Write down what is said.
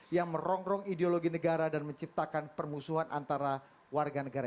yang merongrong ideologi negara dan menciptakan permusuhan antara warga negara